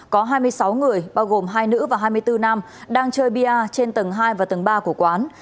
có hai mươi sáu người bao gồm hai nữ và hai mươi bốn nam đang chơi bia trên tầng hai và tầng ba của quán